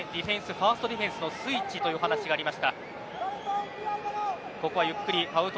ファーストディフェンスのスイッチという話がありました。